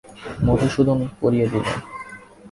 মধুসূদন পরিয়ে দিলে।